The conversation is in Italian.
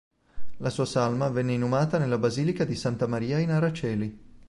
La sua salma venne inumata nella Basilica di Santa Maria in Aracoeli.